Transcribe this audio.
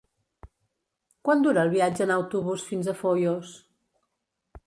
Quant dura el viatge en autobús fins a Foios?